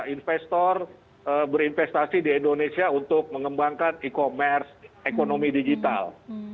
investor berinvestasi di indonesia untuk mengembangkan e commerce ekonomi digital